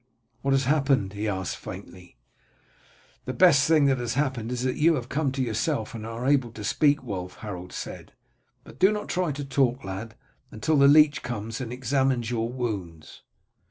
"What has happened?" he asked faintly. "The best thing that has happened is that you have come to yourself and are able to speak, Wulf," Harold said. "But do not try to talk, lad, until the leech comes and examines your wounds.